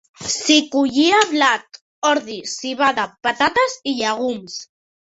S'hi collia blat, ordi, civada, patates i llegums.